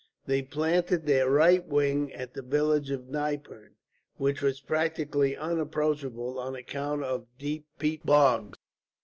They planted their right wing at the village of Nypern, which was practically unapproachable on account of deep peat bogs.